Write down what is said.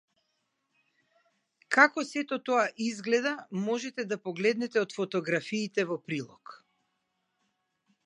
Како сето тоа изгледа можете да погледнете од фотографиите во прилог.